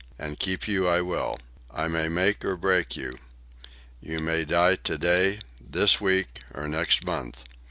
And keep you I will. I may make or break you. You may die to day, this week, or next month.